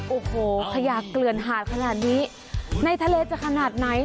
โอ้โหขยะเกลือนหาดขนาดนี้ในทะเลจะขนาดไหน